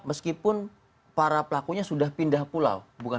meskipun para pelakunya sudah pindah pulau